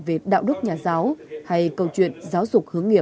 về đạo đức nhà giáo hay câu chuyện giáo dục hướng nghiệp